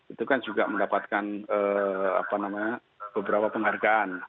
itu kan juga mendapatkan beberapa penghargaan